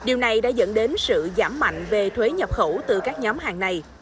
điều này đã dẫn đến sự giảm mạnh về trung tâm hàng nhập khẩu